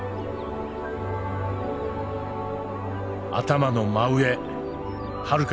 頭の真上はるか